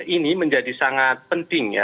ini menjadi sangat penting